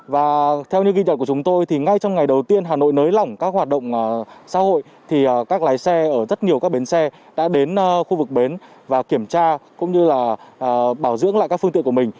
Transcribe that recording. và theo như ghi nhận của chúng tôi thì ngay trong ngày đầu tiên hà nội nới lỏng các hoạt động xã hội thì các lái xe ở rất nhiều các bến xe đã đến khu vực bến và kiểm tra cũng như là bảo dưỡng lại các phương tiện của mình